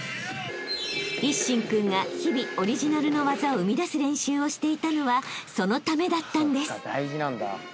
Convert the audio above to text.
［一心君が日々オリジナルの技を生み出す練習をしていたのはそのためだったんです］